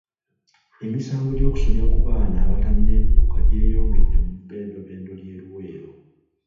Emisango gy'okusobya ku baana abatanneetuuka gyeyongedde mu bbendobendo ly'e Luweero.